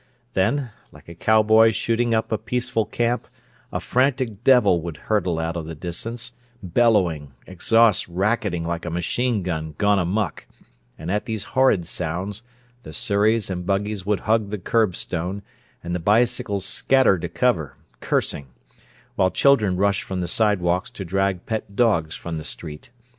Then, like a cowboy shooting up a peaceful camp, a frantic devil would hurtle out of the distance, bellowing, exhaust racketing like a machine gun gone amuck—and at these horrid sounds the surreys and buggies would hug the curbstone, and the bicycles scatter to cover, cursing; while children rushed from the sidewalks to drag pet dogs from the street.